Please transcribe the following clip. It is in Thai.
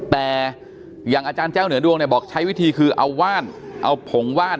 แต่อย่างอาจารย์เจ้าเหนือดวงเนี่ยบอกใช้วิธีคือเอาว่านเอาผงว่าน